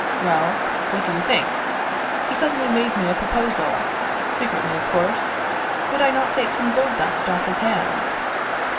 Well, what do you think ? He suddenly made me a proposal, secretly of course ; would I not take some gold dust off his hands?